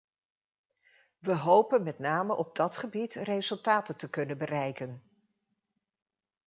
We hopen met name op dat gebied resultaten te kunnen bereiken.